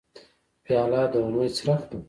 پیاله د امید څرک ده.